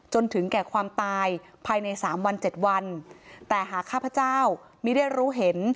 จนถึงแก่ความตายภายในสามวันเจ็ดวันแต่หากข้าพเจ้าไม่ได้รู้เห็น